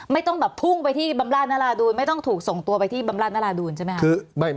ไม่ต้องแบบพุ่งไปที่บำราชนราดูลไม่ต้องถูกส่งตัวไปที่บำราชนราดูนใช่ไหมครับ